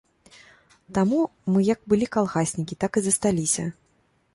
Таму мы як былі калгаснікі, так і засталіся.